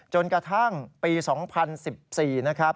จนกระทั่งปี๒๐๑๔นะครับ